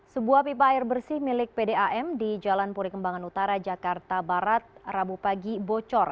sebuah pipa air bersih milik pdam di jalan puri kembangan utara jakarta barat rabu pagi bocor